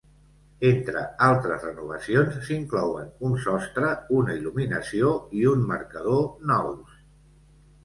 Entre altres renovacions, s'inclouen un sostre, una il·luminació i un marcador nous.